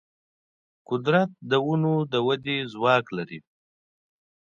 قدرت د ونو د ودې ځواک لري.